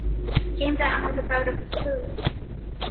He came down with a bout of flu.